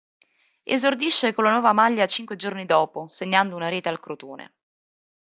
Esordisce con la nuova maglia cinque giorni dopo segnando una rete al Crotone.